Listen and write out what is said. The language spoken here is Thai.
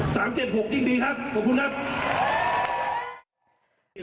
๓๗๖สีดีครับขอบคุณครับ